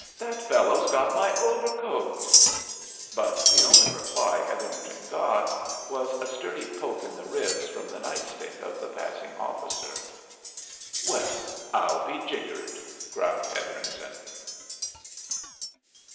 "That fellow's got my overcoat " But the only reply Hetherington got was a sturdy poke in the ribs from the night stick of the passing officer. "Well, I'll be jiggered!" growled Hetherington.